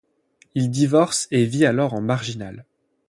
Il divorce et vit alors en marginal.